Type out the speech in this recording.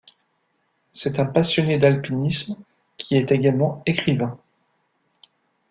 C'est un passionné d'alpinisme qui est également écrivain.